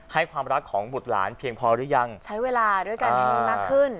ความรักของบุตรหลานเพียงพอหรือยังใช้เวลาด้วยกันให้มากขึ้น